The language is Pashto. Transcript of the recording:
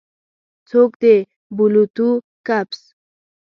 څوک د بلوطو کپس